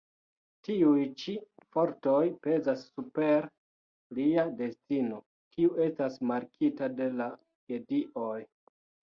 Tiuj ĉi fortoj pezas super lia destino, kiu estas markita de la gedioj.